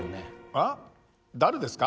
えっ誰ですか？